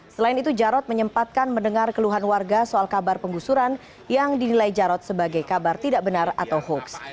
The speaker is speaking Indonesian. selain itu jarod menyempatkan mendengar keluhan warga soal kabar penggusuran yang dinilai jarod sebagai kabar tidak benar atau hoax